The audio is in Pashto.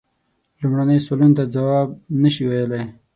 لومړنیو سوالونو ته جواب نه سي ویلای.